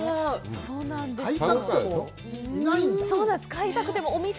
そうなんです。